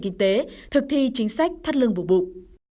kinh tế thực thi chính sách thắt lưng bộ bụng